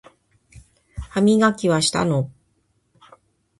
歯磨きはしたの？